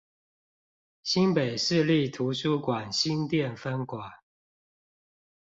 新北市立圖書館新店分館